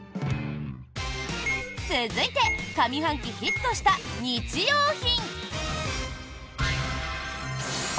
続いて上半期ヒットした日用品。